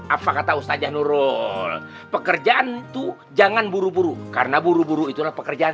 apa kata ustajah nurul pekerjaan tuh jangan buru buru karena buru buru itulah pekerjaan